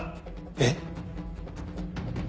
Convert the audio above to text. えっ？